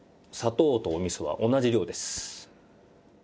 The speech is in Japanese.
砂糖とお味噌は同じ量です。